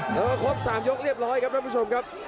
แล้วก็ครบ๓ยกเรียบร้อยครับท่านผู้ชมครับ